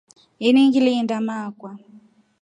Ini ngilinda mama akwa.